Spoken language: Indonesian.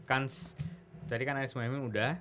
kans tadi kan anies memainkan sudah